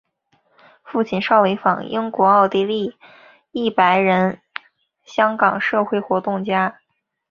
父亲邵维钫英国奥地利裔白人香港社会活动家。